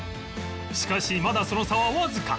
しかしまだその差はわずか